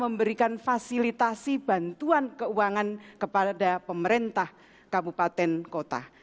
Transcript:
memberikan fasilitasi bantuan keuangan kepada pemerintah kabupaten kota